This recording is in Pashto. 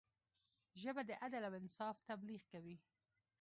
ژبه د عدل او انصاف تبلیغ کوي